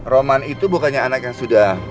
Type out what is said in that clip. roman itu bukannya anak yang sudah